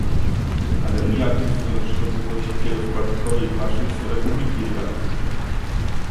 Ale ujawnił swoją szkodliwość w wieloskładnikowej paszy z Republiki Irlandii